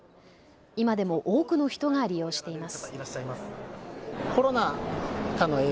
今でも多くの人が利用しています。